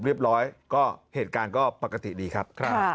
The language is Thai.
เรียบร้อยก็เหตุการณ์ก็ปกติดีครับ